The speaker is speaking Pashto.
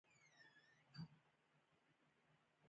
ایا پوهیږئ چې واکسین څه دی؟